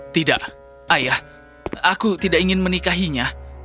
tidak ayah aku tidak ingin menikahinya